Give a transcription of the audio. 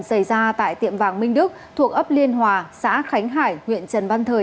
xảy ra tại tiệm vàng minh đức thuộc ấp liên hòa xã khánh hải huyện trần văn thời